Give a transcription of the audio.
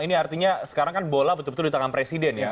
ini artinya sekarang kan bola betul betul di tangan presiden ya